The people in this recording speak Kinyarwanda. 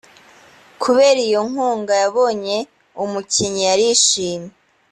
kubera iyo nkunga yabonye, umukinnyi yarishimye